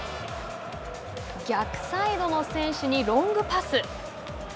逆サイドの選手にロングパス。